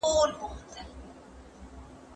هند کي د ګورګاني بابر.